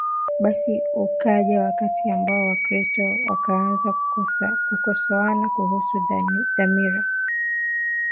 Basi ukaja wakati ambao Wakristo wakaanza kukosoana kuhusu dhamiri